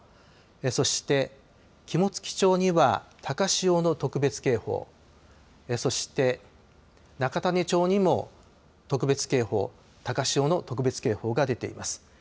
そして肝付町には高潮の特別警報そして、中種子町にも特別警報高潮の特別警報が出ています。